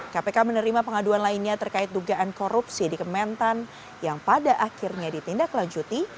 kpk menerima pengaduan lainnya terkait dugaan korupsi di kementan yang pada akhirnya ditindaklanjuti